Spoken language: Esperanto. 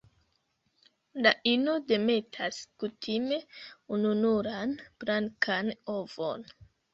La ino demetas kutime ununuran blankan ovon.